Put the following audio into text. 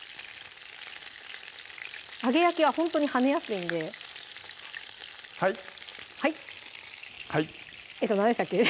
揚げ焼きはほんとに跳ねやすいんではいはいえっと何でしたっけ？